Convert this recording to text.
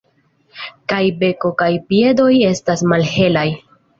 Kaj beko kaj piedoj estas malhelaj.